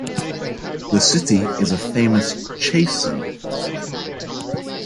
The city is a famous "Chasen" town.